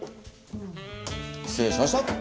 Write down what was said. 失礼しました！